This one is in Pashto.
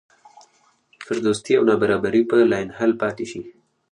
فرودستي او نابرابري به لاینحل پاتې شي.